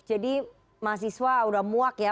jadi mahasiswa udah muak ya